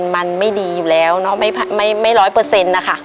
มันไม่ดีอยู่แล้วเนาะไม่ร้อยเปอร์เซ็นต์นะคะ